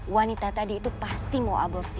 wanita tadi itu pasti mau aborsi